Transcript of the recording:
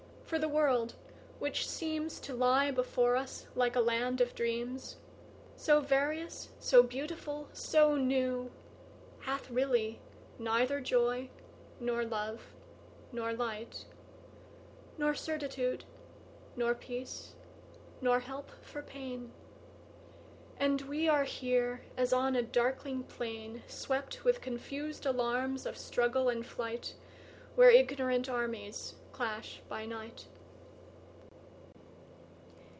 for the world, which seemsTo lie before us like a land of dreams, So various, so beautiful, so new, Hath really neither joy, nor love, nor light, Nor certitude, nor peace, nor help for pain; And we are here as on a darkling plainSwept with confus'd alarms of struggle and flight, Where ignorant armies clash by night.